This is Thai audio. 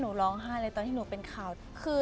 ร้องไห้เลยตอนที่หนูเป็นข่าวคือ